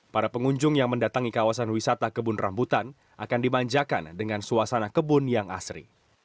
para pengunjung yang mendatangi kawasan wisata kebun rambutan akan dimanjakan dengan suasana kebun yang asri